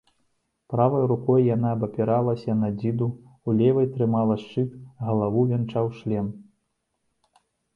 Правай рукой яна абапіралася на дзіду, у левай трымала шчыт, галаву вянчаў шлем.